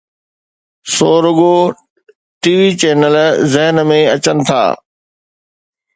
سو رڳو T V channel ذهن ۾ اچن ٿا.